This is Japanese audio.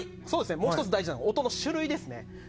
もう１つ大事なのが音の種類ですね。